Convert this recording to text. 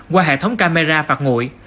qua hệ thống camera phạt ngụy